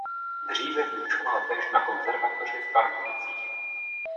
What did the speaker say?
Dříve vyučoval též na Konzervatoři v Pardubicích.